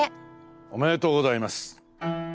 おめでとうございます！